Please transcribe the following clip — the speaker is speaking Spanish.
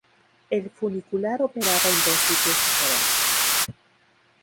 El funicular operaba en dos sitios diferentes.